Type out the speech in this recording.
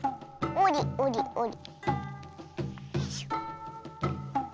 おりおりおり。